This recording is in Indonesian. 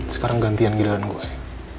sekarang gantian giliran gue